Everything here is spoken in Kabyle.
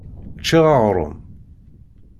Ččiɣ aɣrum.